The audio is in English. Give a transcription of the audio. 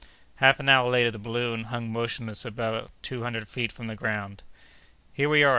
Half an hour later the balloon hung motionless about two hundred feet from the ground. "Here we are!"